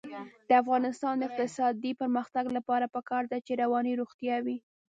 د افغانستان د اقتصادي پرمختګ لپاره پکار ده چې رواني روغتیا وي.